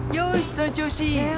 その調子。